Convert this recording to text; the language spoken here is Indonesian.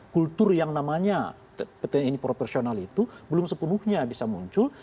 kultur yang namanya tni profesional itu belum sepenuhnya bisa muncul